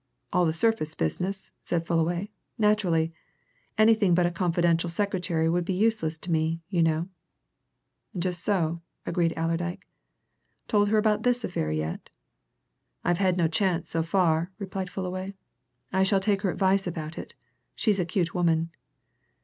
"All the surface business," said Fullaway, "naturally! Anything but a confidential secretary would be useless to me, you know." "Just so," agreed Allerdyke. "Told her about this affair yet?" "I've had no chance so far," replied Fullaway. "I shall take her advice about it she's a cute woman."